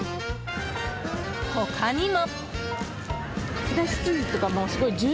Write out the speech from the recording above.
他にも。